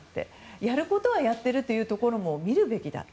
やることはやっているというところも見るべきだと。